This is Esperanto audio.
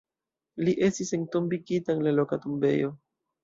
Li estis entombigita en la loka tombejo.